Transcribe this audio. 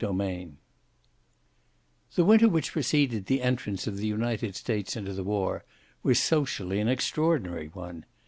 CHAPTER V The winter which preceded the entrance of the United States into the war was socially an extraordinary one.